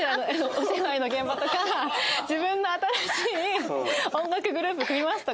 お芝居の現場とか自分の新しい音楽グループ組みますとか。